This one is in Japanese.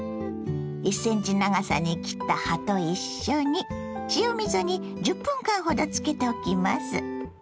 １ｃｍ長さに切った葉と一緒に塩水に１０分間ほどつけておきます。